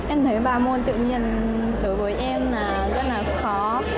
em thấy ba môn tự nhiên đối với em là rất là khó